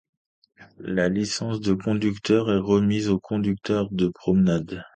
La licence de conducteur est remise aux conducteurs de promenade.